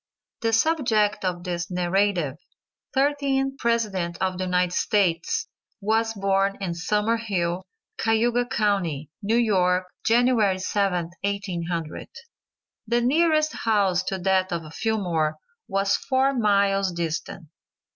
The subject of this narrative, thirteenth president of the United States, was born in Summer Hill, Cayuga county, New York, January 7th, 1800. The nearest house to that of Fillmore was four miles distant.